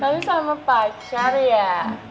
tapi sama pacar ya